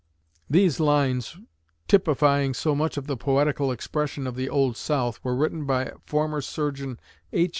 [These lines, typifying so much of the poetical expression of the old South, were written by former Surgeon H.